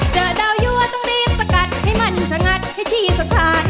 เจอดาวยั่วต้องรีบสกัดให้มันชะงัดให้ที่สถาน